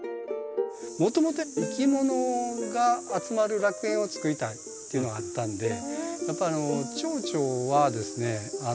もともといきものが集まる楽園を作りたいっていうのがあったんでやっぱチョウチョはですね